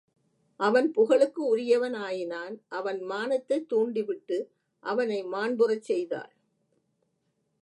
அவன் புகழுக்கு உரியவன் ஆயினான் அவன் மானத்தைத் தூண்டிவிட்டு அவனை மாண்புறச் செய்தாள்.